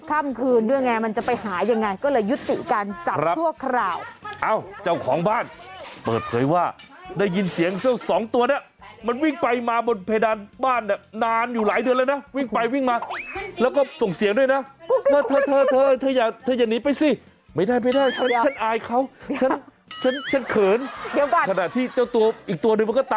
ทำไมน้องเขาไม่นับ๑๒๓๔๕หรอคุณชนะ